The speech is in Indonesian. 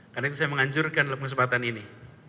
karena itu saya menganjurkan kesempatan ini